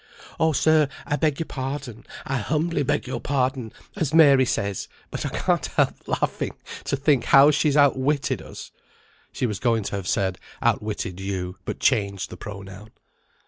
"Oh, sir, I beg your pardon. I humbly beg your pardon, as Mary says, but I can't help laughing, to think how she's outwitted us." (She was going to have said, "outwitted you," but changed the pronoun.)